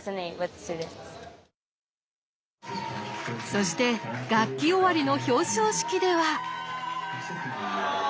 そして学期終わりの表彰式では。